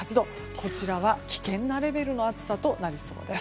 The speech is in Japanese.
こちらは危険なレベルの暑さとなりそうです。